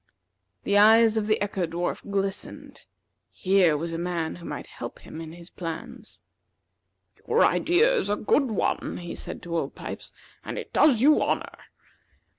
The eyes of the Echo dwarf glistened. Here was a man who might help him in his plans. "Your idea is a good one," he said to Old Pipes, "and it does you honor.